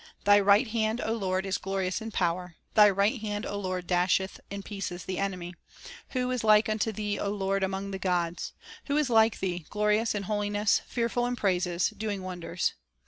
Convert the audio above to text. "Thy right hand, O Lord, is glorious in power, Thy right hand, O Lord, dasheth in pieces the enemy. Who is like unto Thee, O Lord, among the gods ? Who is like Thee, glorious in holiness, Fearful in praises, doing wonders?"